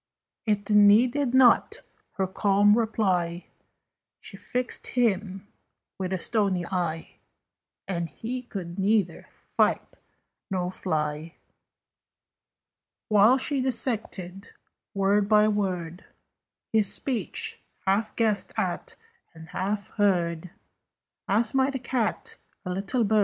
It needed not her calm reply: She fixed him with a stony eye, And he could neither fight nor fly, While she dissected, word by word, His speech, half guessed at and half heard, As might a cat a little bird.